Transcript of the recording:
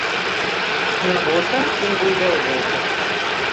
En la gota, ningú hi veu gota.